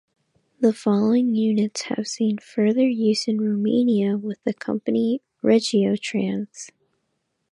The following units have seen further use in Romania with the company Regiotrans.